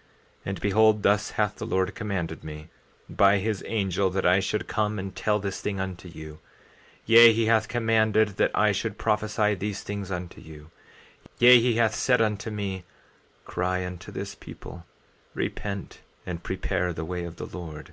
14:9 And behold, thus hath the Lord commanded me, by his angel, that I should come and tell this thing unto you; yea, he hath commanded that I should prophesy these things unto you; yea, he hath said unto me: Cry unto this people, repent and prepare the way of the Lord.